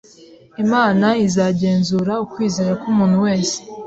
Imana izagenzura ukwizera k’umuntu wese.